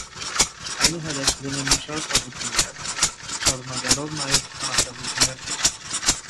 Այնուհետև գրում է մի շարք պատմություններ՝ շարունակելով նաև բանաստեղծություններ գրել։